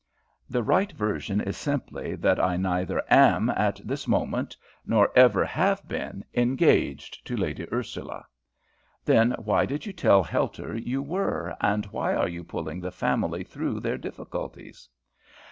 "The right version is simply that I neither am at this moment nor ever have been engaged to Lady Ursula." "Then why did you tell Helter you were, and why are you pulling the family through their difficulties?"